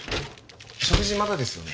食事まだですよね？